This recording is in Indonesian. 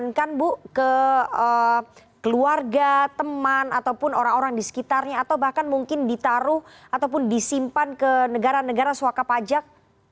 atau bahkan mungkin menaruh ataupun memindah tangankan bu ke keluarga teman ataupun orang orang di sekitarnya atau bahkan mungkin ditaruh ataupun disimpan ke negara negara swaka pajak